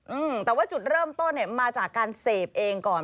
อืมแต่ว่าจุดเริ่มต้นเนี้ยมาจากการเสพเองก่อน